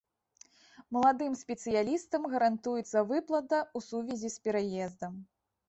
Маладым спецыялістам гарантуецца выплата ў сувязі з пераездам.